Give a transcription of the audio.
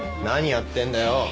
何やってんだよ。